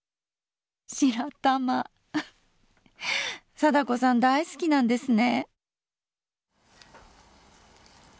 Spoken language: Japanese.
貞子さん大好きなんですね。